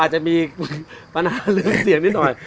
อาจจะมีปัญหาเรื่องเสี่ยงนิดหน่อย